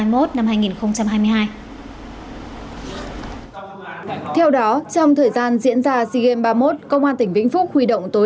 games ba mươi một năm hai nghìn hai mươi hai theo đó trong thời gian diễn ra sea games ba mươi một công an tỉnh vĩnh phúc huy động